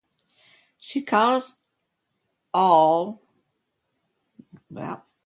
She calls them all "buddy," and forgets them immediately once they die.